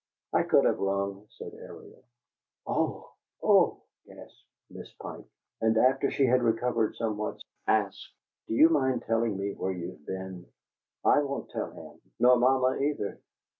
"I could have rung," said Ariel. "Oh oh!" gasped Miss Pike; and, after she had recovered somewhat, asked: "Do you mind telling me where you've been? I won't tell him nor mamma, either.